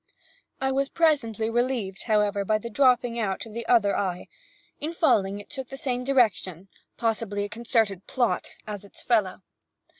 I was presently relieved, however, by the dropping out of the other eye. In falling it took the same direction (possibly a concerted plot) as its fellow.